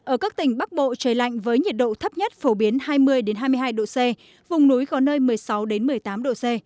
ở các tỉnh bắc bộ trời lạnh với nhiệt độ thấp nhất phổ biến hai mươi hai mươi hai độ c vùng núi có nơi một mươi sáu một mươi tám độ c